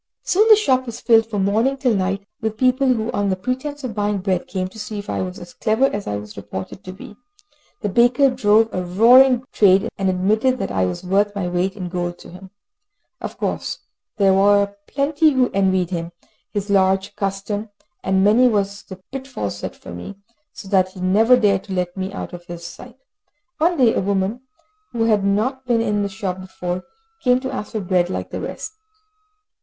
Soon, the shop was filled from morning till night, with people who on the pretence of buying bread came to see if I was as clever as I was reported to be. The baker drove a roaring trade, and admitted that I was worth my weight in gold to him. Of course there were plenty who envied him his large custom, and many was the pitfall set for me, so that he never dared to let me out of his sight. One day a woman, who had not been in the shop before, came to ask for bread, like the rest.